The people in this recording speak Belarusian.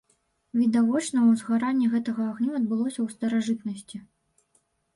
Відавочна узгаранне гэтага агню адбылося ў старажытнасці.